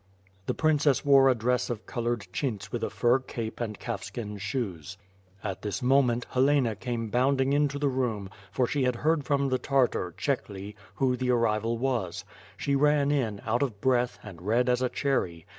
The princess wore a dress of colored chintz with a fur cape and calf skin shoes. At this moment, Helena came boundinsr into the room, for she had heard from the Tartar, Chekhly, who the arrival was. She ran in, out of breath, and red as a cherry.